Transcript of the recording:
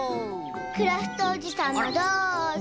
クラフトおじさんもどうぞ！